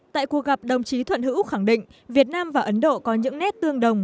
tại cuộc gặp đồng chí thuận hữu khẳng định việt nam và ấn độ có những nét tương đồng